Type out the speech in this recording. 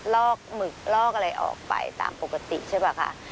ลอกหมึกลอกอะไรออกไปตามปกติใช่ป่ะคะ